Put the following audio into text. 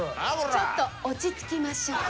ちょっと落ち着きましょう。